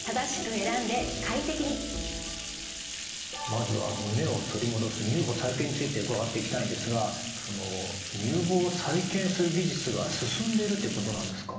まずは胸を取り戻す乳房再建について伺っていきたいんですがその乳房再建する技術が進んでるってことなんですか？